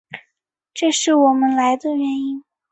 这是我们来的原因。